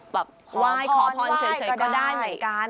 ไหว้ขอพรเฉยก็ได้เหมือนกัน